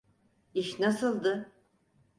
İş nasıldı?